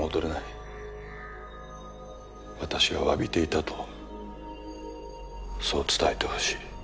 私が詫びていたとそう伝えてほしい。